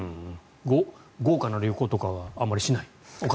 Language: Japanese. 豪華な旅行とかはあまりしないですか？